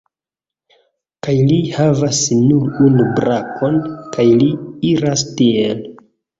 Kaj li havas nur unu brakon, kaj li iras tiel